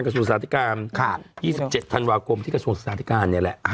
เครื่องบินก็เสี่ยวนะคุณแม่